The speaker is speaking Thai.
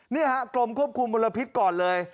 นี่ฮะกรมควบคุมมลพิษก่อนเลย